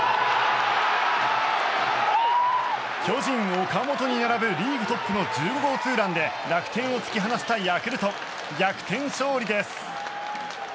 巨人、岡本に並ぶリーグトップの１５号ツーランで楽天を突き放したヤクルト逆転勝利です。